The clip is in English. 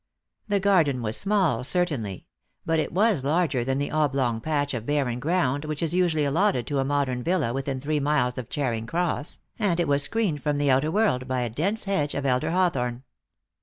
The garden was small certainly ; but it was larger than the oblong patch of barren ground which is usually allotted to a modern villa within three miles of Charing Cross, and it was screened from the outer world by a dense hedge of elder hawthorn.